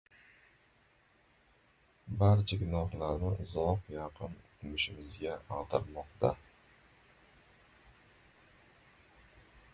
barcha gunohlarni uzoq-yaqin o‘tmishimizga ag‘darmoqda.